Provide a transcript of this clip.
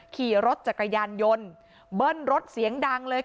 ขี่รถจักรยานยนต์เบิ้ลรถเสียงดังเลย